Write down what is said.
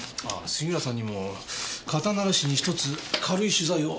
杉浦さんにも肩慣らしに１つ軽い取材を。